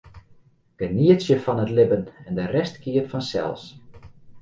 Genietsje fan it libben en de rest giet fansels.